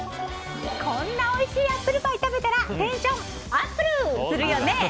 こんなにおいしいアップルパイ食べたらテンションもアップすルよね！